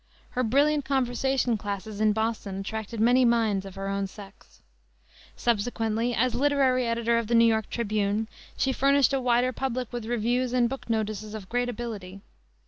Her brilliant conversation classes in Boston attracted many "minds" of her own sex. Subsequently, as literary editor of the New York Tribune, she furnished a wider public with reviews and book notices of great ability.